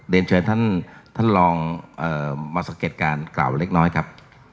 เชิญท่านลองมาสังเกตการณ์กล่าวเล็กน้อยครับ